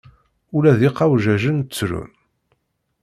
Ula d iqawjajen ttrun.